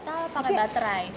ini kita pakai butter rice